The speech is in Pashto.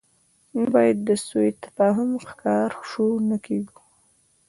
نه باید د سوء تفاهم ښکار شو، نه کېږو.